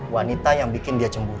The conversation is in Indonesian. wanita yang bikin dia sembuh